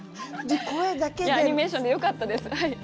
アニメーションでよかったです。